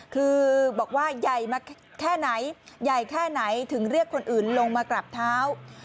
คือบอกว่าใหญ่มาแค่ไหนใหญ่แค่ไหนถึงเรียกคนอื่นลงมากราบเท้า